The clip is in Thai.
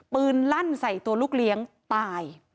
ลั่นใส่ตัวลูกเลี้ยงตาย